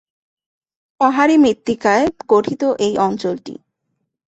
পাহাড়ী মৃত্তিকায় গঠিত এই অঞ্চলটি।